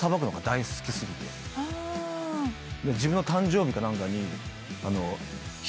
自分の誕生日か何かに。